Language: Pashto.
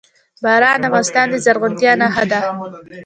باران د افغانستان د زرغونتیا نښه ده.